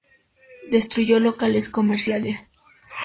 Destruyó locales comerciales.